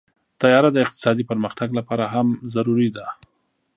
طیاره د اقتصادي پرمختګ لپاره هم ضروري ده.